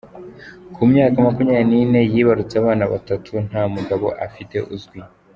Ku myaka makumyabiri nine yibarutse abana batatu nta mugabo afite uzwi